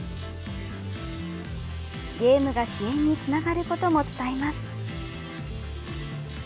ゲームが支援につながることも伝えます。